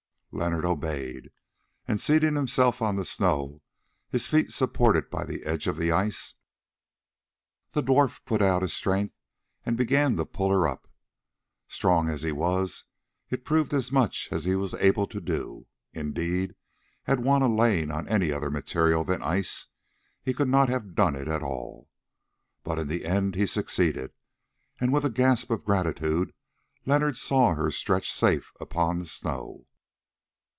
Leonard obeyed, and seating himself on the snow, his feet supported by the edge of the ice, the dwarf put out his strength and began to pull her up. Strong as he was, it proved as much as he was able to do; indeed, had Juanna lain on any other material than ice, he could not have done it at all. But in the end he succeeded, and with a gasp of gratitude Leonard saw her stretched safe upon the snow.